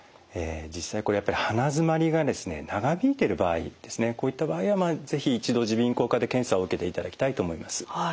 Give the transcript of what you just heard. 実際これやっぱり鼻づまりが長引いている場合ですねこういった場合は是非一度耳鼻咽喉科で検査を受けていただきたいと思います。